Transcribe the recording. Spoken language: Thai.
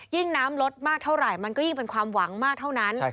ยิ่งน้ำลดมากเท่าไหร่มันก็ยิ่งเป็นความหวังมากเท่านั้น